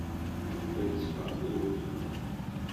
Yuba iteffeɣ akked weltma.